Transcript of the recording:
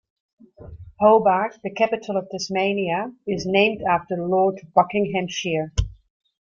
Hobart, the capital of Tasmania, is named after Lord Buckinghamshire.